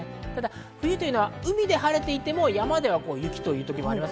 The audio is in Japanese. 冬は海で晴れていても山では雪というときもあります。